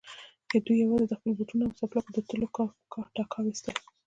دوی يواځې د خپلو بوټونو او څپلکو د تلو ټکا اورېدله.